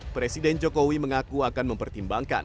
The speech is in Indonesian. presiden jokowi mengaku akan mempertimbangkan